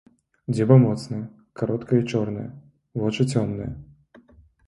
Дзюба моцная, кароткая і чорная, вочы цёмныя.